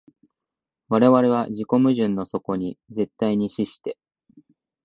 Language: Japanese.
我々は自己矛盾の底に絶対に死して、